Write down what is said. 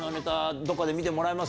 どっかで見てもらえませんか？」。